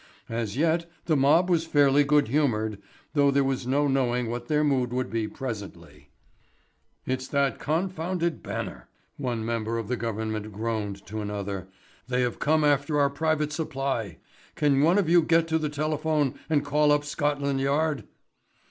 As yet the mob was fairly good humoured, though there was no knowing what their mood would be presently. "It's that confounded Banner," one member of the government groaned to another. "They have come after our private supply. Can't one of you get to the telephone and call up Scotland Yard?"